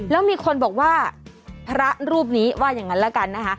แล้วมีคนบอกว่าพระรูปนี้ว่าอย่างนั้นแล้วกันนะคะ